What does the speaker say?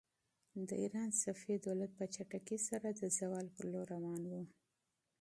د ایران صفوي دولت په چټکۍ سره د زوال پر لور روان و.